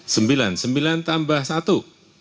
sembilan sembilan tambah satu